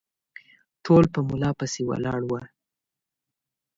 ټول په ملا پسې ولاړ وه